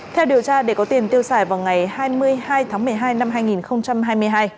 theo điều tra để có tiền tiêu xài vào ngày hai mươi hai tháng một mươi hai năm hai nghìn hai mươi hai